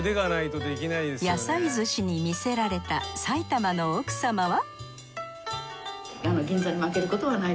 野菜すしに魅せられた埼玉の奥様は？